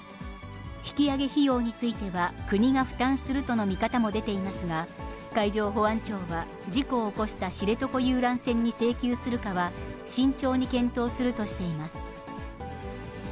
引き揚げ費用については、国が負担するとの見方も出ていますが、海上保安庁は、事故を起こした知床遊覧船に請求するかは慎重に検討するとしています。